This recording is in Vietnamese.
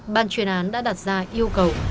bàn truyền án đã đặt ra yêu cầu